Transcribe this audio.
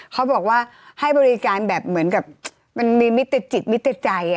เขาบอกว่าให้บริการแบบเหมือนกับมันมีมิตรจิตมิตรใจ